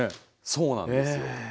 そうなんですよ。